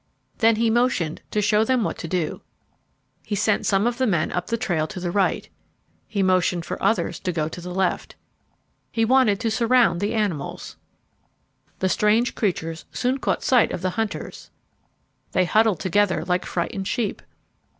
Then he motioned to show them what to do. He sent some of the men up the trail to the right. He motioned for others to go to the left. He wanted to surround the animals. The strange creatures soon caught sight of the hunters. They huddled together like frightened sheep.